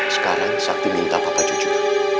sekarang sakti minta papa cucu